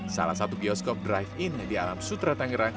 salah satu bioskop drive in di alam sutratanggerang